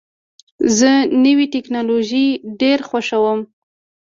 زه نوې ټکنالوژۍ ډېر خوښوم.